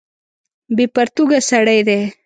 بې پرتوګه سړی دی.